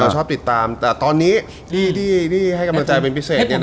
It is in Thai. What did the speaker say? ชอบติดตามแต่ตอนนี้ที่ให้กำลังใจเป็นพิเศษ